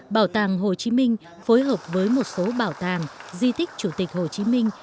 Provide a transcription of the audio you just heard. bảo tàng hồ chí minh phối hợp với một số bảo tàng di tích chủ tịch hồ chí minh